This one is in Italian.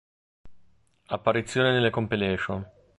Apparizioni nelle compilation